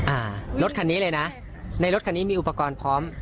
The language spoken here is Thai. อ่ารถคันนี้เลยนะในรถคันนี้มีอุปกรณ์พร้อม